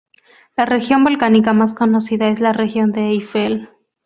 La región volcánica más conocida es la región de Eifel.